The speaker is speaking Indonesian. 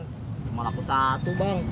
cuma laku satu bang